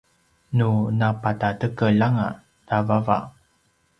nu napatatekel anga ta vava